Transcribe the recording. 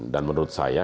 dan menurut saya